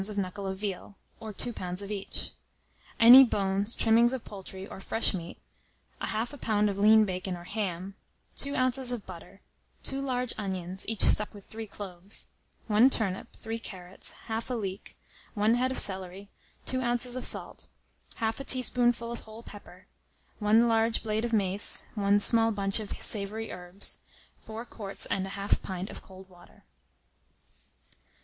of knuckle of veal, or 2 lbs. of each; any bones, trimmings of poultry, or fresh meat, 1/2 a lb. of lean bacon or ham, 2 oz. of butter, 2 large onions, each stuck with 3 cloves; 1 turnip, 3 carrots, 1/2 a leek, 1 head of celery, 2 oz. of salt, 1/2 a teaspoonful of whole pepper, 1 large blade of mace, 1 small bunch of savoury herbs, 4 quarts and 1/2 pint of cold water.